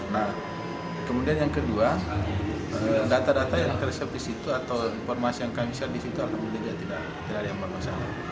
nah kemudian yang kedua data data yang tercapai di situ atau informasi yang kami share di situ alhamdulillah tidak ada yang bermasalah